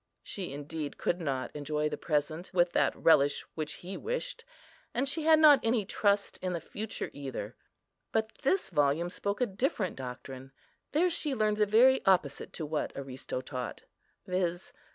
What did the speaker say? She indeed could not enjoy the present with that relish which he wished, and she had not any trust in the future either; but this volume spoke a different doctrine. There she learned the very opposite to what Aristo taught—viz.